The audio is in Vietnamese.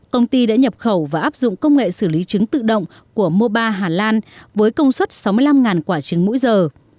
công ty đã nhập khẩu và áp dụng công nghệ xử lý trứng tự động của mobi hà lan với công suất sáu mươi năm quả trứng mỗi giờ